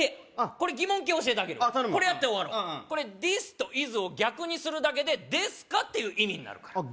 これ疑問形教えてあげるこれやって終わろう「ｔｈｉｓ」と「ｉｓ」を逆にするだけで「ですか」っていう意味になるからあっ